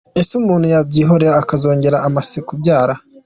Ese umuntu yabyihorera akazongera amaze kubyara ?.